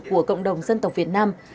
của cộng đồng dân tộc việt nam